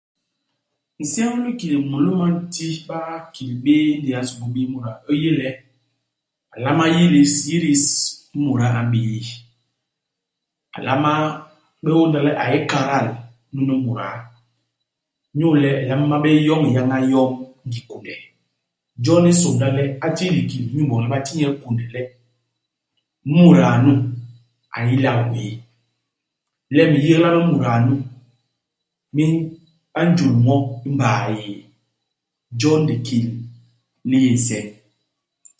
Nseñ u likil mulôm a nti bakil béé indéé a nsômbôl bii muda, u yé le, a nlama yidis yidis imuda a m'bii. A nlama bé unda le a yé ikadal nunu muda. Inyu le u nlama bé yoñ iyañan yom ngi kunde. Jon i nsômbôla le a ti likil inyu iboñ le ba ti nye kunde le imuda nu a n'yila iwéé. Le minyégla mi imudaa nu, mi ba njul nwo i mbay yéé. Jon likil li yé nseñ.